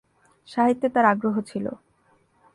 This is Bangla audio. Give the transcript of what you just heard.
সাহিত্যে তাঁর আগ্রহ ছিল।